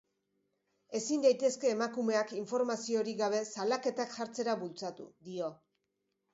Ezin daitezke emakumeak informaziorik gabe salaketak jartzera bultzatu, dio.